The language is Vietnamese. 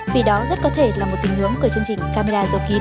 vì đó rất có thể là một tình hướng của chương trình camera dâu kín